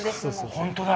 本当だ。